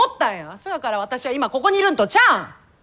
そやから私は今ここにいるんとちゃうん？